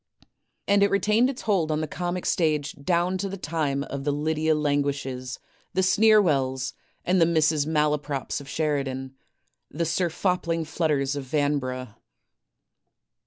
and it retained its hold on the comic stage down to the time of the Lydia Languishes, the Sneerwells, the Mrs. Malaprops of Sheridan, the Sir Fopling Flutters of Vanbrugh.